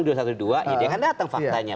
dia kan datang faktanya